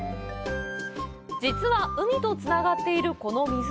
実は、海とつながっているこの湖。